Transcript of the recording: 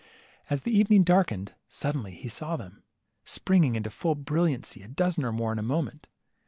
As the evening darkened, suddenly he saw them, springing into full brilliancy, a dozen or more in a moment.